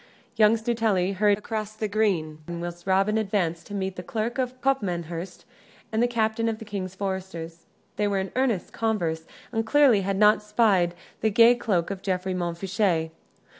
Young Stuteley hurried across the green, whilst Robin advanced to meet the Clerk of Copmanhurst and the captain of the King's Foresters. They were in earnest converse, and clearly had not spied the gay cloak of Geoffrey Montfichet.